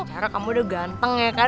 karena kamu udah ganteng ya kan